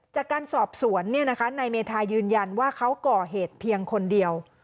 จากการสอบสวนนายเมธายืนยันว่าเขาก่อเหตุเพียงคนเดียว